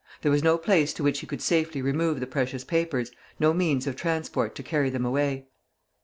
There was no place to which he could safely remove the precious papers, no means of transport to carry them away.